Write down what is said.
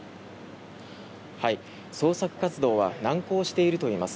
捜索活動は難航しているといいます。